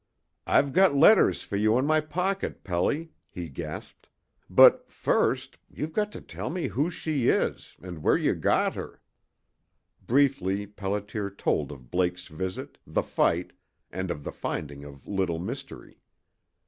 "I've got letters for you in my pocket, Pelly," he gasped. "But first you've got to tell me who she is and where you got her " Briefly Pelliter told of Blake's visit, the fight, and of the finding of Little Mystery.